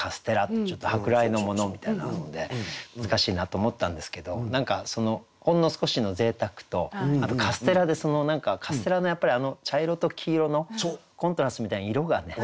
ちょっと舶来のものみたいなので難しいなと思ったんですけど何かほんの少しのぜいたくとあとカステラで何かカステラのあの茶色と黄色のコントラストみたいな色がね